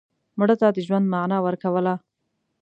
مړه ته د ژوند معنا ورکوله